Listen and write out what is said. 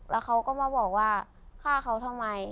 แล้วเขาก็มาบอกว่าฆ่าเขาทำไม